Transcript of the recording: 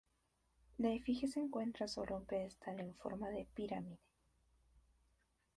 La efigie se encuentra sobre un pedestal en forma de pirámide.